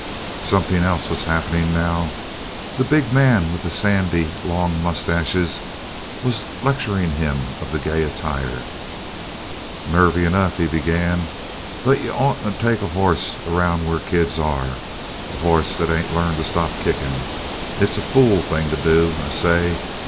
Something else was happening now. The big man with the sandy, long moustaches was lecturing him of the gay attire. "Nervy enough," he began, "but you'd oughtn't to take a hoss around where kids are, a hoss that ain't learned to stop kicking. It's a fool thing to do, I say.